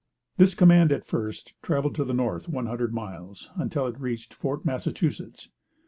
This command, at first, traveled to the north one hundred miles, until it reached Fort Massachusetts.